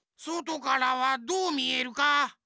そとからはどうみえるか？